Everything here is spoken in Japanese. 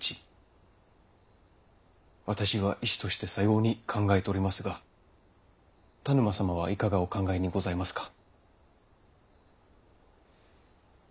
私は医師としてさように考えておりますが田沼様はいかがお考えにございますか？